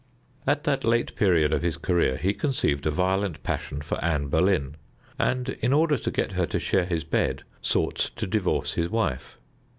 At that late period of his career he conceived a violent passion for Anne Boleyn, and, in order to get her to share his bed, sought to divorce his wife.